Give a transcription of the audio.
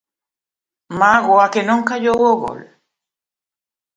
Mágoa que non callou o gol.